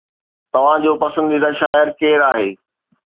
توهان جو پسنديده شاعر ڪير آهي؟